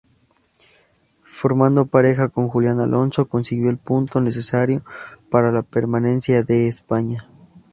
Formando pareja con Julián Alonso, consiguió el punto necesario para la permanencia de España.